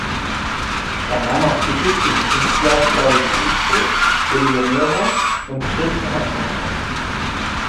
Er nahm auch Titel für die Künstler Sal DiFusco, Bill Lonero und Chris Emerson auf.